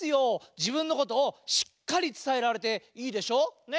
じぶんのことをしっかりつたえられていいでしょ？ね？